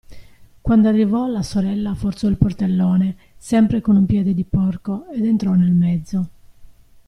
Quando arrivò, la sorella forzò il portellone, sempre con un piede di porco, ed entrò nel mezzo.